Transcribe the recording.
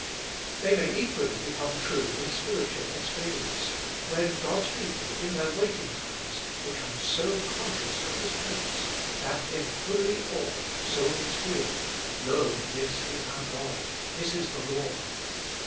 They may equally become true in spiritual experience, when God's people in their waiting times become so conscious of His presence that in holy awe souls feel, * Lo, this is our God ; this is the Lord